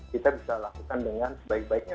kita bisa lakukan dengan sebaik baiknya